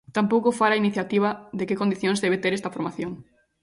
Tampouco fala a iniciativa de que condicións debe ter esta formación.